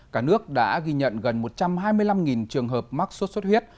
cả nước đã ghi nhận gần một trăm hai mươi năm trường hợp mắc sốt xuất huyết